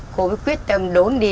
cô quyết tâm đốn đi